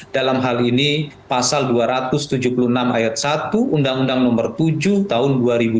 dalam hal ini pasal dua ratus tujuh puluh enam ayat satu undang undang nomor tujuh tahun dua ribu dua puluh